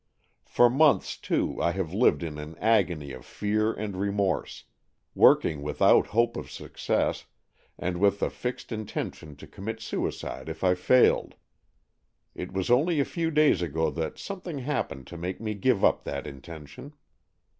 For months too I have lived in an agony of fear and remorse, working without hope of success, and with the fixed intention to commit suicide if I failed. It was only a few days ago that something happened to make me give up that intention.